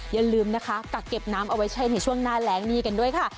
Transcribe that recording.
อย่าลืมนะคะกักเก็บน้ำเอาไว้ใช้ในช่วงหน้าแรงนี่กันด้วยค่ะ